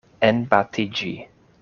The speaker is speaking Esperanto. Enbatiĝi.